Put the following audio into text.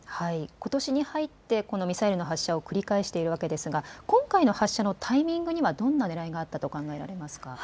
ことしに入ってミサイルの発射を繰り返しているわけですが今回の発射のタイミングにはどんなねらいがあったと考えられますか。